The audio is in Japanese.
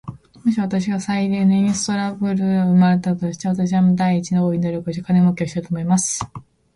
もし私が幸いにストラルドブラグに生れたとすれば、私はまず第一に、大いに努力して金もうけをしようと思います。